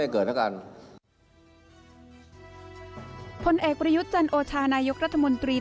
คนแอบประยุจรรย์โทรนายกรรธมันตรี